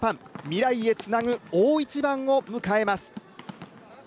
未来へツナグ、大一番を迎えます。